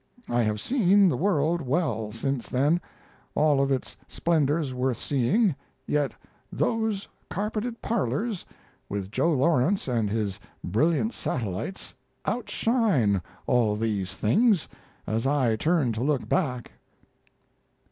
I have seen the world well since then all of its splendors worth seeing yet those carpeted parlors, with Joe Lawrence and his brilliant satellites, outshine all things else, as I turn to look back.